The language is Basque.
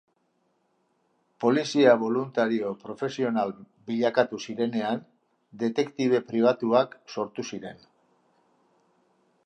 Polizia boluntario profesional bilakatu zirenean detektibe pribatuak sortu ziren.